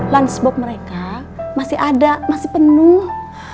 lanchbox mereka masih ada masih penuh